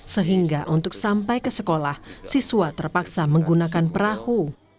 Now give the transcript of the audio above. sehingga untuk sampai ke sekolah siswa terpaksa menggunakan perahu